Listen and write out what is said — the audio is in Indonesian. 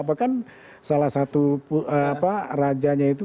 apakah salah satu rajanya itu